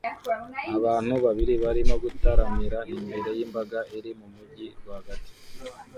Abantu babiri barimo gutaramira imbere yimbaga iri mumujyi rwagati